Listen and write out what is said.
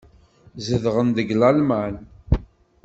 Zedɣen deg Lalman.